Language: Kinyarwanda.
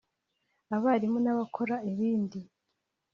abarimu n’abakora ibindi